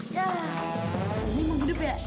koloni mau hidup ya